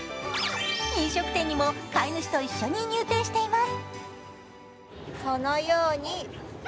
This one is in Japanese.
飲食店にも飼い主と一緒に入店しています。